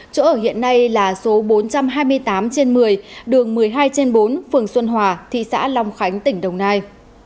chỗ ở hiện nay là số bốn trăm hai mươi tám trên một mươi đường một mươi hai trên bốn phường xuân hòa thị xã long khánh tỉnh đồng nai